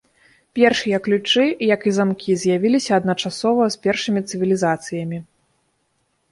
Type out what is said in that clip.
Першыя ключы, як і замкі, з'явіліся адначасова з першымі цывілізацыямі.